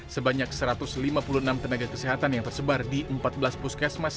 sebanyak satu ratus lima puluh enam tenaga kesehatan yang tersebar di empat belas puskesmas